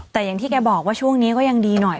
แต่อย่างที่แกบอกว่าช่วงนี้ก็ยังดีหน่อย